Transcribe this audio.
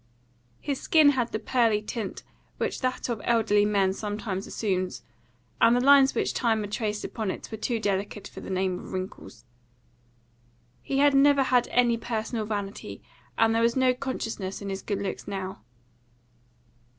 His skin had the pearly tint which that of elderly men sometimes assumes, and the lines which time had traced upon it were too delicate for the name of wrinkles. He had never had any personal vanity, and there was no consciousness in his good looks now.